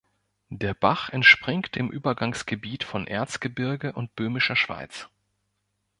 Der Bach entspringt im Übergangsgebiet von Erzgebirge und Böhmischer Schweiz.